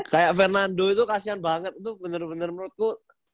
kayak fernando itu kasihan banget itu bener bener menurutku